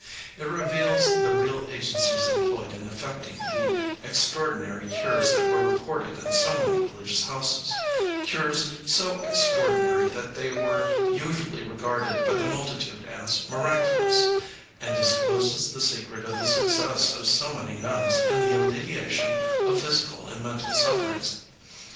It reveals the real agencies employed in effecting the extraordinary cures that were reported in so many religious houses cures so extraordinary that they were usually regarded by the multitude as miraculous and discloses the secret of the success of so many nuns in the alleviation of physical and mental sufferings.